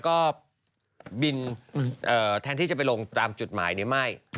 ก็บินแทนที่จะไปลงตามจุดหมายนี้ไม่